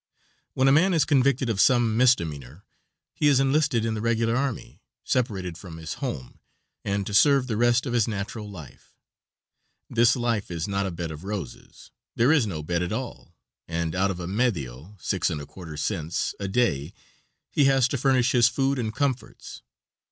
When a man is convicted of some misdemeanor he is enlisted in the regular army, separated from his home, and to serve the rest of his natural life. This life is not a bed of roses there is no bed at all, and out of a medio (6 1/4 cents) a day, he has to furnish his food and comforts.